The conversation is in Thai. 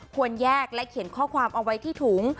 ควรแยกและเขียนข้อความเอาไว้ที่ถุง